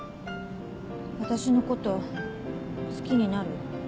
私のこと好きになる？